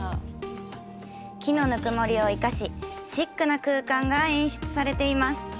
木のぬくもりを生かしシックな空間が演出されています。